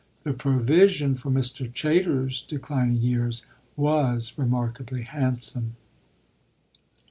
The provision for Mr. Chayter's declining years was remarkably handsome.